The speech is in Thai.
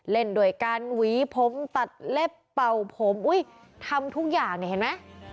เล่นโดยการหวีผมตัดเล็บเป่าผมทำทุกอย่างเห็นไหม